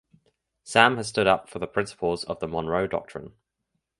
Sam has stood up for the principles of the Monroe Doctrine.